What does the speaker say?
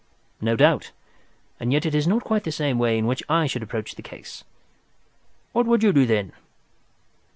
"No doubt; and yet it is not quite the way in which I should approach the case." "What would you do then?"